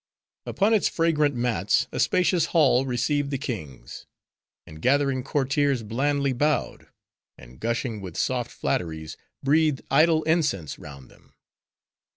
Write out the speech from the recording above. Upon its fragrant mats a spacious hall received the kings; and gathering courtiers blandly bowed; and gushing with soft flatteries, breathed idol incense round them.